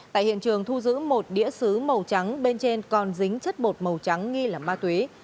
tại hiện trường thu giữ một đĩa xứ màu trắng bên trên còn dính chất bột màu trắng nghi là ma túy